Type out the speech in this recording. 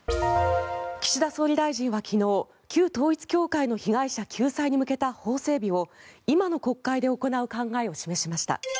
岸田総理大臣は昨日旧統一教会の被害者救済に向けた法整備を今の国会で行う考えを示しました。